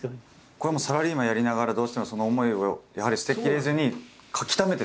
これはサラリーマンやりながらどうしてもその思いをやはり捨てきれずに書きためてたんですか？